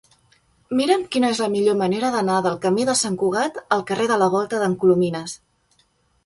Mira'm quina és la millor manera d'anar del camí de Sant Cugat al carrer de la Volta d'en Colomines.